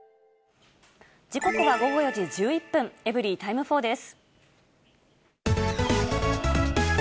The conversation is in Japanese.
時刻は午後４時１１分、エブリィタイム４です。